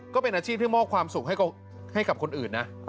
ก็เป็นอาชีพที่มอบความสุขให้กับคนอื่นนะ